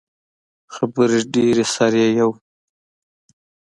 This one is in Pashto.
خبرې ډیرې، سر یی یو